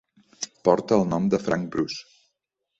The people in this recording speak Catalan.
Porta el nom de Frank Bruce.